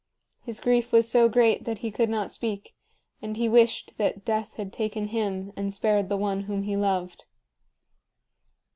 His grief was so great that he could not speak, and he wished that death had taken him and spared the one whom he loved.